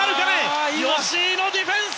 しかし吉井のディフェンス！